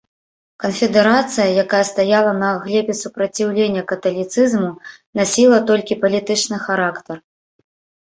Канфедэрацыя, якая стаяла на глебе супраціўлення каталіцызму, насіла толькі палітычны характар.